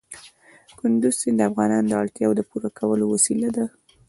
کندز سیند د افغانانو د اړتیاوو د پوره کولو وسیله ده.